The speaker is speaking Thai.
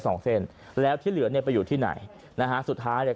สองเส้นแล้วที่เหลือเนี่ยไปอยู่ที่ไหนนะฮะสุดท้ายเนี่ย